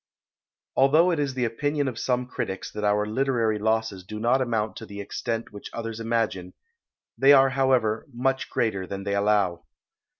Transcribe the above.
Although it is the opinion of some critics that our literary losses do not amount to the extent which others imagine, they are however much greater than they allow.